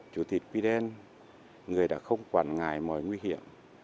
chủ tịch pidel người đã không quản ngại mọi nguy hiểm